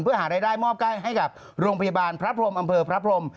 เพื่อหารายได้มอบใกล้ให้กับโรงพยาบาลพระพรมอำเภอพระพรม